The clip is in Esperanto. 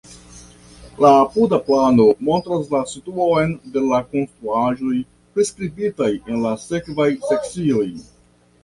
La apuda plano montras la situon de la konstruaĵoj priskribitaj en la sekvaj sekcioj.